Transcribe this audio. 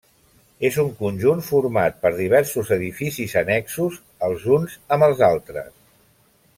És un conjunt format per diversos edificis annexos els uns amb els altres.